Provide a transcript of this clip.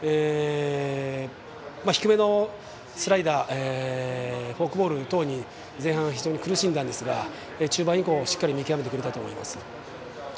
低めのスライダーフォークボール等に非常に前半は苦しんだんですが、中盤以降しっかり見極めてくれたと思います。